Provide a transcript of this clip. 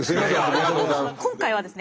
今回はですね